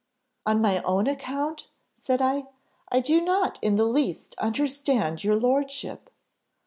"'On my own account?' said I, 'I do not in the least understand your lordship.